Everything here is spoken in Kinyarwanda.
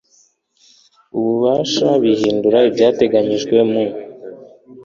ububasha bihindura ibyateganyijwe mu